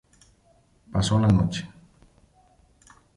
Pasó la noche.